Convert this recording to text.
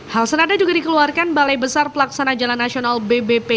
hal senada juga dikeluarkan balai besar pelaksana jalan nasional bbp